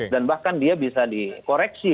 dan bahkan dia bisa dikoreksi